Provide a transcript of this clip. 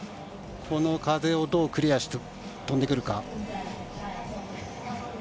この風をどうクリアして飛んでくるか。